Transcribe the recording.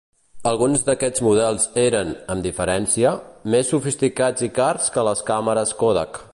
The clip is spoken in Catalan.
Alguns d'aquests models eren, amb diferència, més sofisticats i cars que les càmeres Kodak.